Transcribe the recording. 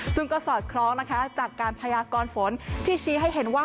ซึ่งก็สอดคล้องนะคะจากการพยากรฝนที่ชี้ให้เห็นว่า